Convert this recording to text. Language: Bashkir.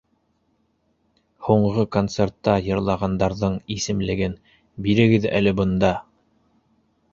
—Һуңғы концертта йырлағандарҙың исемлеген бирегеҙ әле бында!